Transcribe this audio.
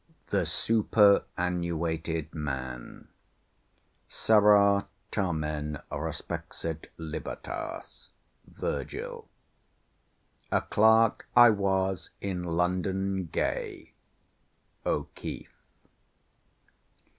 THE SUPERANNUATED MAN Sera tamen respexit Libertas. VIRGIL. A Clerk I was in London gay. O'KEEFE.